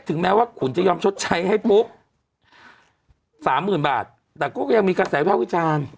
แม้ว่าขุนจะยอมชดใช้ให้ปุ๊บสามหมื่นบาทแต่ก็ยังมีกระแสวิภาพวิจารณ์